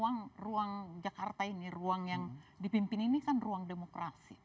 memang ruang jakarta ini ruang yang dipimpin ini kan ruang demokrasi